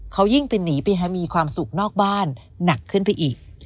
เขายิ่งไปหนีไปมีความสุขนอกบ้านหนักขึ้นไปอีก